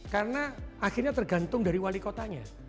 karena akhirnya tergantung dari wali kotanya